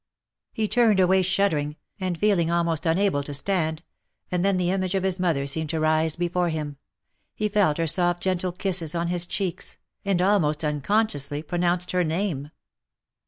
He turned away shuddering, and feeling almost unable to stand — and then the image of his mother seemed to rise before him — he felt her soft gentle kisses on his cheeks, and almost unconsciously pro nounced her name.